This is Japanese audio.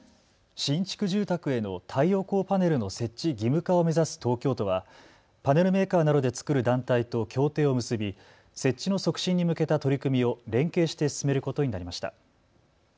新築住宅への太陽光パネルの設置義務化を目指す東京都はパネルメーカーなどで作る団体と協定を結び、設置の促進に向けた取り組みを連携して進めることになりました。